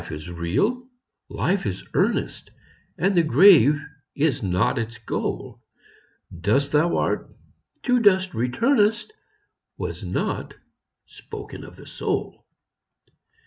Life is real ! Life is earnest ! And the grave is not its goal ; Dust thou art, to dust returnest, Was not spoken of the soul.